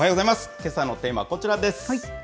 けさのテーマはこちらです。